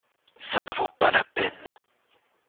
Ça ne vaut pas la peine.